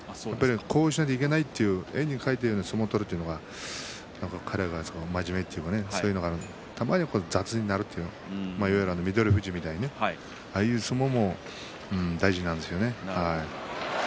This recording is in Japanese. こうしなくちゃいけないという絵に描いたような相撲を取るというのは彼が真面目というのはありますけれどもたまには雑になる翠富士みたいなああいう相撲も大事なんですね。